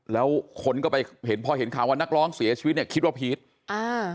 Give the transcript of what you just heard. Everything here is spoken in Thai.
แล้วคนก็ไปเห็นพอเห็นข่าวว่านักร้องเสียชีวิตเนี่ยคิดว่าพีชอ่า